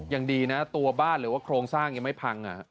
ยังดีนะตัวบ้านหรือว่าโครงสร้างยังไม่พัง